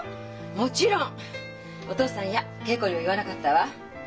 もちろんお父さんや桂子にも言わなかったわ。